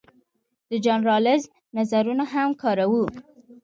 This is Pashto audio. د جان رالز نظرونه هم کاروو.